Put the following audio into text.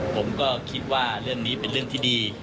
ผมก็คิดว่าเรื่องนี้เป็นเรื่องที่ดี